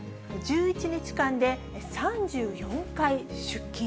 １１日間で３４回出金。